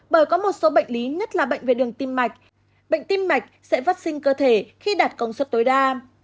bởi có một số bệnh lý nhất là bệnh về đường tim mạch bệnh tim mạch sẽ phát sinh cơ thể khi đạt công suất tối đa